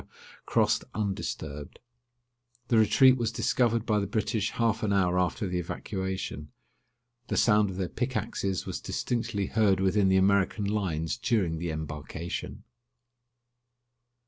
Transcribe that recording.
crossed undisturbed. The retreat was discovered by the British half an hour after the evacuation. The sound of their pickaxes was distinctly heard within the American lines during the embarkation.